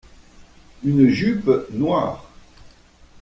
Une jupe noire.